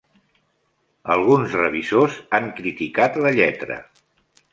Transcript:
Alguns revisors han criticat la lletra.